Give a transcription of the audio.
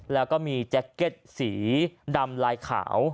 แล้วก็มีแจ็คเก็ตสีดำลายขาว